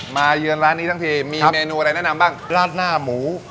เยือนร้านนี้ทั้งทีมีเมนูอะไรแนะนำบ้างราดหน้าหมู